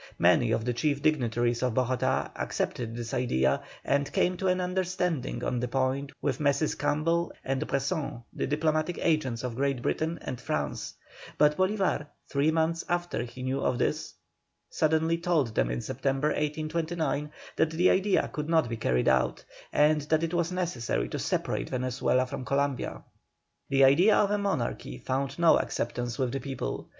Many of the chief dignitaries of Bogotá accepted this idea, and came to an understanding on the point with Messrs Campbell and Bresson, the diplomatic agents of Great Britain and France, but Bolívar, three months after he knew of this, suddenly told them in September, 1829, that the idea could not be carried out, and that it was necessary to separate Venezuela from Columbia. The idea of a monarchy found no acceptance with the people.